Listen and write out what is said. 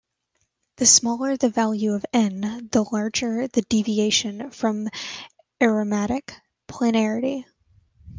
The smaller the value of n the larger the deviation from aromatic planarity.